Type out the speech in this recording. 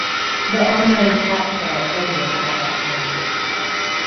The online chat show ended at that time.